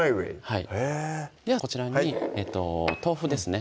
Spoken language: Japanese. はいではこちらに豆腐ですね